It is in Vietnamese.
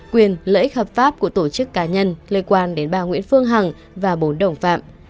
quyền lợi ích hợp pháp của tổ chức cá nhân liên quan đến bà nguyễn phương hằng và bốn đồng phạm